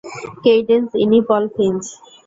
Cadence, ইনি Paul Finch.